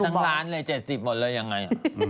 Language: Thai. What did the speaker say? ทั้งล้านเลย๗๐หมดเลยยังไง